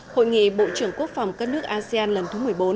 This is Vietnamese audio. hội nghị bộ trưởng quốc phòng các nước asean lần thứ một mươi bốn